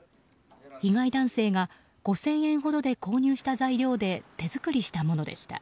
被害男性が５０００円ほどで購入した材料で手作りしたものでした。